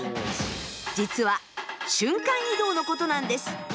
実は瞬間移動のことなんです。